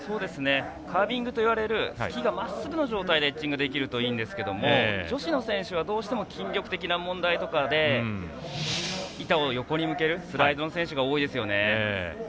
カービングと呼ばれるスキーがまっすぐな状態でエッジングできるといいんですけれども女子の選手はどうしても筋力的な問題とかで板を横に向けるスライドの選手が多いですよね。